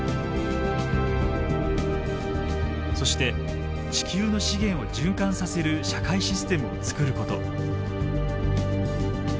そして地球の資源を循環させる社会システムを作ること。